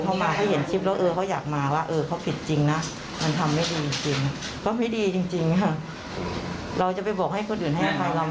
ก็จะไม่ทำอีกแล้วครับผม